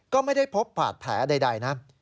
ก็ไม่ได้พบบาดแผลใดนะ